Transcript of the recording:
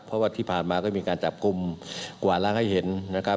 เพราะว่าที่ผ่านมาก็มีการจับกลุ่มกว่าล้างให้เห็นนะครับ